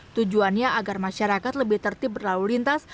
tujuannya agar masyarakat lebih tertib berlalu lintas